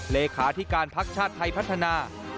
เลขาธิการภักดิ์ชาติไทยพัฒนา